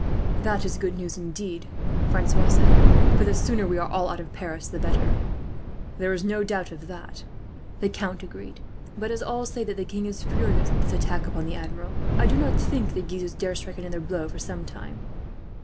"That is good news, indeed," Francois said; "for the sooner we are all out of Paris, the better." "There is no doubt of that," the count agreed; "but as all say that the king is furious at this attack upon the Admiral, I do not think the Guises dare strike another blow for some time.